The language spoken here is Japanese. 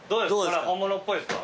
これ本物っぽいですか？